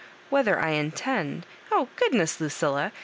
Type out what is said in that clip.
" "Whether I intend ?— oh goodness, Lucilla